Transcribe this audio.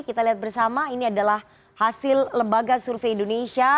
kita lihat bersama ini adalah hasil lembaga survei indonesia